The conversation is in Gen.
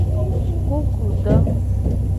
Kukudo.